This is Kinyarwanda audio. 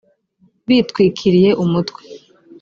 bitwikiriye umutwe